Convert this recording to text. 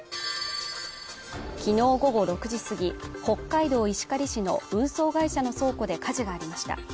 きのう午後６時すぎ、北海道石狩市の運送会社の倉庫で火事がありました。